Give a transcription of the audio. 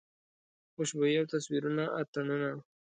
خوشبويي او تصویرونه اتڼونه